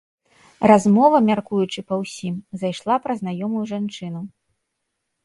Размова, мяркуючы па ўсім, зайшла пра знаёмую жанчыну.